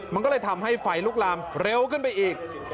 มันก็เลยทำให้ไฟลุกลามเร็วขึ้นไปอีก